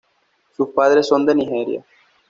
Sus padres son de Nigeria.